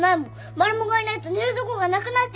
マルモがいないと寝るとこがなくなっちゃう。